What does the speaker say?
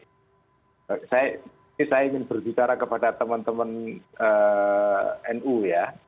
ini saya ingin berbicara kepada teman teman nu ya